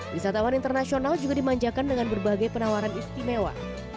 bisa tawan internasional juga dimanjakan dengan berbagai penawaran istimewa